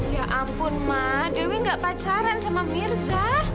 ya ampun mah dewi gak pacaran sama mirza